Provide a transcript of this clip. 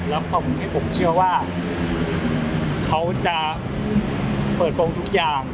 แล้วผมเชื่อว่าเขาจะเปิดโปรงทุกอย่าง